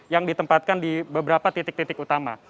yang ditempatkan di beberapa titik titik utama